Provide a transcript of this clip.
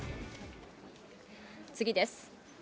次です。